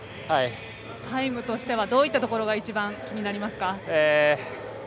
タイムとしてはどういったところが一番気になりますか？